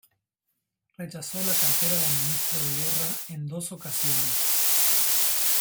Rechazó la cartera de ministro de Guerra en dos ocasiones.